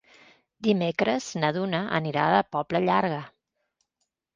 Dimecres na Duna anirà a la Pobla Llarga.